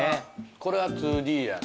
これは２Ｄやな。